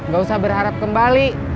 gak usah berharap kembali